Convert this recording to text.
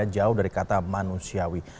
jauh dari kata manusiawi